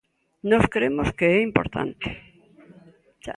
Nós cremos que é importante.